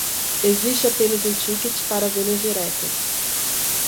Existe apenas um ticket para vendas diretas